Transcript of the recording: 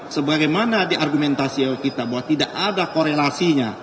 sebagaimana diargumentasi kita bahwa tidak ada korelasinya